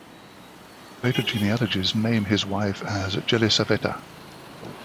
Later genealogies name his wife as "Jelisaveta".